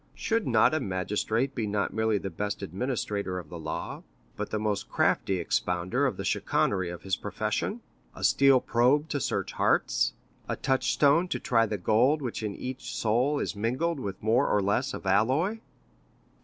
Should not a magistrate be not merely the best administrator of the law, but the most crafty expounder of the chicanery of his profession, a steel probe to search hearts, a touchstone to try the gold which in each soul is mingled with more or less of alloy?"